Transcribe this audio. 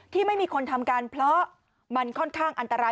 ที่ไม่มีคนทำกันเพราะมันค่อนข้างอันตราย